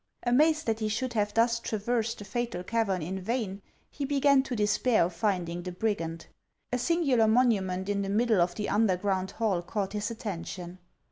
Amazed that he should have thus traversed the fatal cavern in vain, he began to despair of finding the brigand. A singular monument in the middle of the underground hall caught his attention.